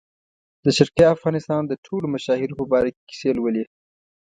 د شرقي افغانستان د ټولو مشاهیرو په باره کې کیسې کولې.